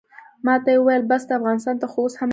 ماته یې وویل بس ده افغانستان ته خو اوس هم لګیا وم.